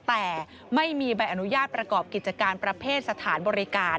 แต่ไม่มีใบอนุญาตประกอบกิจการประเภทสถานบริการ